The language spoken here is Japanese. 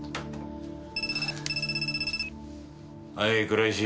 はい倉石。